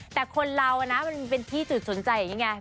แต่คนเรานะมันเป็นที่จุดสนใจอย่างนี้ไง